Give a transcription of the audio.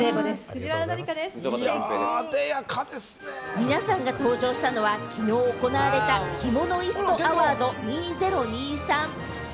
皆さんが登場したのは、きのう行われたキモノイストアワード２０２３。